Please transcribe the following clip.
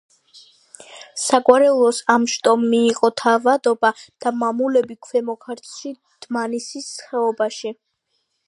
საგვარეულოს ამ შტომ მიიღო თავადობა და მამულები ქვემო ქართლში, დმანისის ხეობაში.